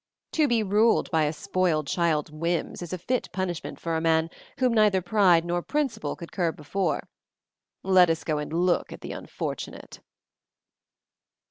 To be ruled by a spoiled child's whims is a fit punishment for a man whom neither pride nor principle could curb before. Let us go and look at the unfortunate."